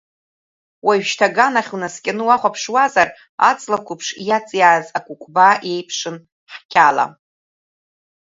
Уажәшьҭа аганахь унаскьаны уахәаԥшуазар, аҵла қәыԥш иаҵиааз акәыкәбаа иеиԥшын ҳқьала.